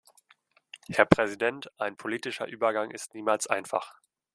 .– Herr Präsident, ein politischer Übergang ist niemals einfach.